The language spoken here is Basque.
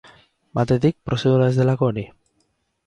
Batetik, prozedura ez delako hori.